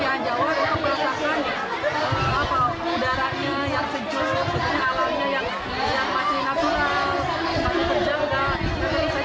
pada saat hidup cihanjawar kita merasakan udaranya yang sejuk